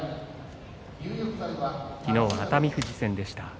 昨日は熱海富士戦でした。